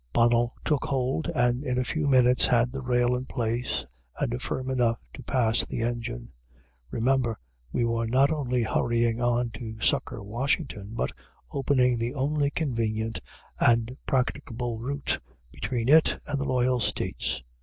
Bonnell took hold, and in a few minutes had the rail in place and firm enough to pass the engine. Remember, we were not only hurrying on to succor Washington, but opening the only convenient and practicable route between it and the loyal States.